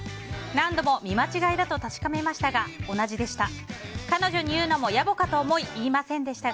何度も見間違えだと確かめましたが、同じでした。